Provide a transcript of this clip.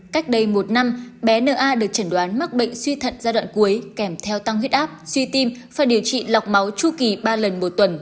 cách đây một năm bé na được chẩn đoán mắc bệnh suy thận giai đoạn cuối kèm theo tăng huyết áp suy tim và điều trị lọc máu chu kỳ ba lần một tuần